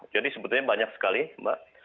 jadi sebetulnya banyak sekali mbak